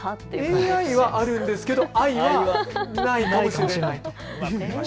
ＡＩはあるんですけど愛はないかもしれない。